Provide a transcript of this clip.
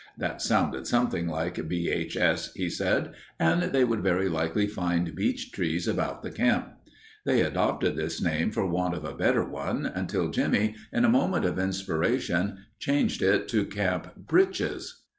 That sounded something like B. H. S., he said, and they would very likely find beech trees about the camp. They adopted this name for want of a better one, until Jimmie, in a moment of inspiration, changed it to Camp Breeches.